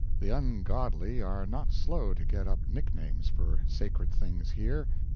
The ungodly are not slow to get up nick names for sacred things here.